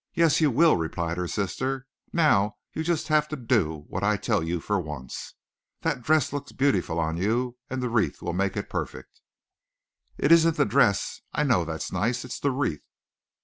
"Yes, you will," replied her sister. "Now you just have to do what I tell you for once. That dress looks beautiful on you and the wreath will make it perfect." "It isn't the dress. I know that's nice. It's the wreath."